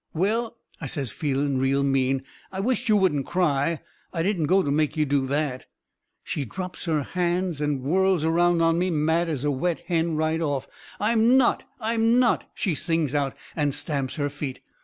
"Well," I says, feeling real mean, "I wisht you wouldn't cry. I didn't go to make you do that." She drops her hands and whirls around on me, mad as a wet hen right off. "I'm not! I'm not!" she sings out, and stamps her feet.